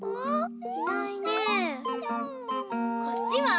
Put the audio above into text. こっちは？